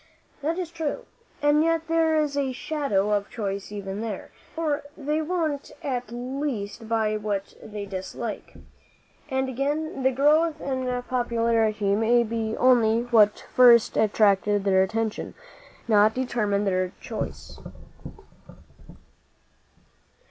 "That is true. And yet there is a shadow of choice even there; for they won't at least buy what they dislike. And again the growth in popularity may be only what first attracted their attention not determined their choice."